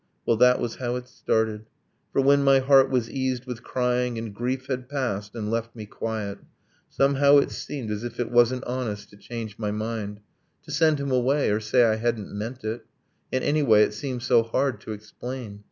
... Well, that was how it started. For when my heart was eased with crying, and grief Had passed and left me quiet, somehow it seemed As if it wasn't honest to change my mind, To send him away, or say I hadn't meant it And, anyway, it seemed so hard to explain!